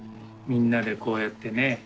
みんなでこうやってね。